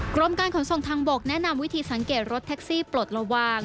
กรมการขนส่งทางบกแนะนำวิธีสังเกตรถแท็กซี่ปลดระวัง